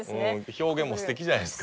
表現も素敵じゃないですか。